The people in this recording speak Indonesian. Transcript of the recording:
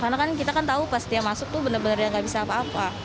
karena kan kita kan tahu pas dia masuk tuh bener bener yang gak bisa apa apa